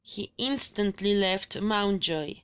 He instantly left Mountjoy.